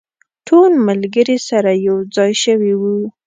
ټول ملګري سره یو ځای شوي وو.